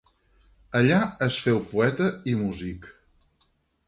Allà es féu poeta i músic.